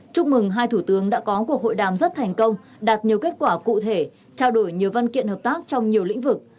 chúc mừng hai thủ tướng đã có cuộc hội đàm rất thành công đạt nhiều kết quả cụ thể trao đổi nhiều văn kiện hợp tác trong nhiều lĩnh vực